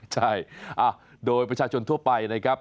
ใช่โดยประชาชนทั่วไปนะครับ